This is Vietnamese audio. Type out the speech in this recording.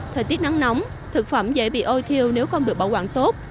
thời tiết nắng nóng thực phẩm dễ bị ôi thiêu nếu không được bảo quản tốt